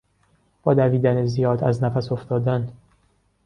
با دویدن زیاد از نفس افتادن